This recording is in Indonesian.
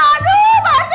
aduh pak rt